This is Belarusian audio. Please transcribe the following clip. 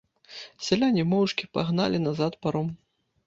Сяляне моўчкі пагналі назад паром.